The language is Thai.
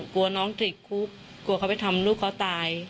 กลัวน้องติดคุกกลัวเขาไปทำลูกเขาตาย